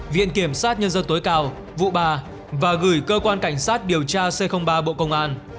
viện kiểm sát nhân dân tối cao vụ ba và gửi cơ quan cảnh sát điều tra c ba bộ công an